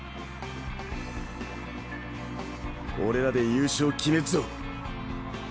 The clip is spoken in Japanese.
俺らで優勝決めっぞ！